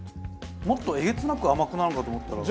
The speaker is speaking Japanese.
もっとえげつなく甘くなるのかと思ったら。